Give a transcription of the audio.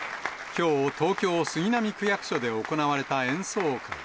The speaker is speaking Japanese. きょう、東京・杉並区役所で行われた演奏会。